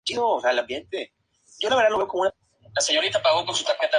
Además la incluyó en el repertorio de su gira The Monster Ball Tour.